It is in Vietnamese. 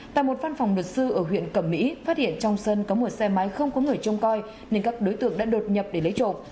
tại một phan phòng luật sư ở huyện cẩm mỹ phát hiện trong sân có một xe máy không có người trông coi nên các đối tượng đã đột nhập để lấy trộm